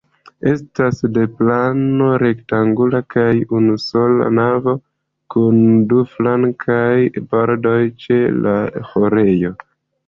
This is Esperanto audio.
Estas de plano rektangula kaj unusola navo, kun du flankaj pordoj ĉe la ĥorejo.